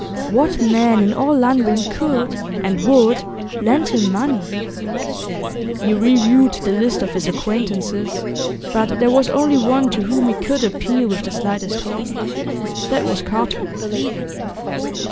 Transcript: What man in all London could and would lend him money? He reviewed the list of his acquaintances, but there was only one to whom he could appeal with the slightest hope that was Carter.